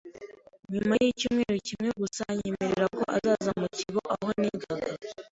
nyuma y’icyumweru kimwe gusa anyemerera ko aza mu kigo aho nigaga